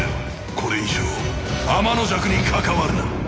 これ以上天の邪鬼に関わるな！